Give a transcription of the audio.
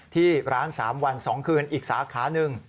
ที่ร้าน๓วัน๒คืนอีกสาขาหนึ่ง